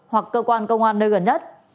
hoặc cơ quan công an nơi gần nhất